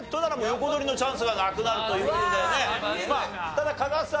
ただ加賀さんはね